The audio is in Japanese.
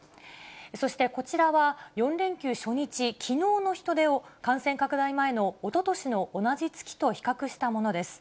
そしてこちらは、４連休初日、きのうの人出を、感染拡大前のおととしの同じ月と比較したものです。